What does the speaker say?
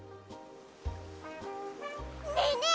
ねえねえ